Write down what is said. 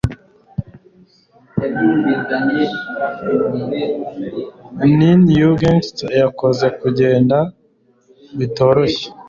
Keen youngster yakoze kugenda bitoroshye